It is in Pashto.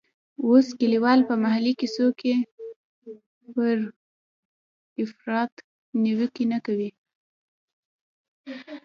اوس کلیوال په محلي کیسو کې پر افراط نیوکې نه کوي.